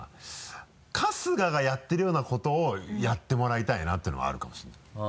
春日がやってるようなことをやってもらいたいなっていうのがあるかもしれない。